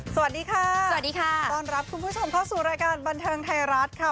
สวัสดีค่ะสวัสดีค่ะต้อนรับคุณผู้ชมเข้าสู่รายการบันเทิงไทยรัฐค่ะ